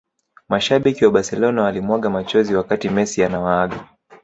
Mashabiki wa barcelona walimwaga machozi wakati messi anawaaga